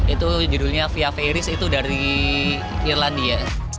itu judulnya via feris itu dari irlandia